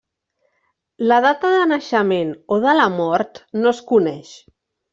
La data de naixement o de la mort no es coneix.